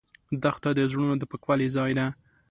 دښته د زړونو د پاکوالي ځای ده.